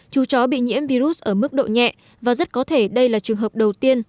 chú chó bị nhiễm virus ở mức độ nhẹ và rất có thể đây là trường hợp đầu tiên